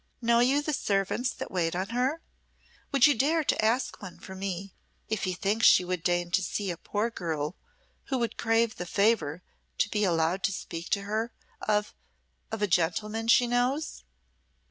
Know you the servants that wait on her? Would you dare to ask one for me, if he thinks she would deign to see a poor girl who would crave the favour to be allowed to speak to her of of a gentleman she knows?"